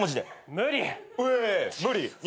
無理。